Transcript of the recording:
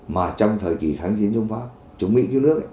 mà trong thời kỳ kháng chiến chống pháp chống mỹ chống nước